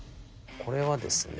これはですね。